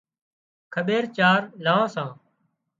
کٻير چار لان سان